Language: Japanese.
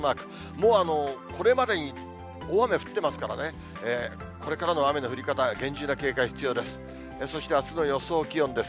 もう、これまでに大雨降ってますからね、これからの雨の降り方、厳重な警戒必要です。